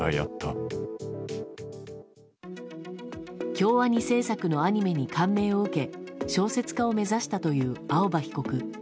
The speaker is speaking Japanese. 京アニ制作のアニメに感銘を受け小説家を目指したという青葉被告。